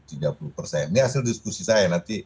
ini hasil diskusi saya nanti